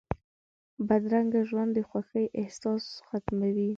بدرنګه ژوند د خوښۍ احساس ختموي